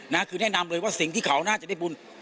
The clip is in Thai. นะคือแนะนำเลยว่าสิ่งที่เขาน่าจะได้บุญ